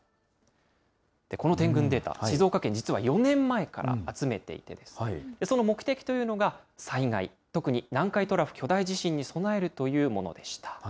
この点群データ、静岡県、実は４年前から集めていて、その目的というのが災害、特に南海トラフ巨大地震に備えるというものでした。